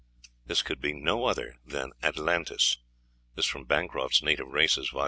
This could be no other than, Atlantis. (Bancroft's "Native Races," vol.